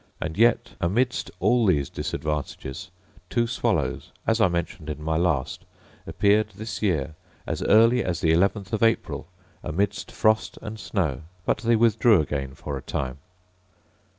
And yet amidst all these disadvantages two swallows, as I mentioned in my last, appeared this year as early as the eleventh of April amidst frost and snow; but they withdrew again for a time.